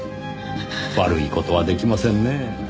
悪い事は出来ませんねぇ。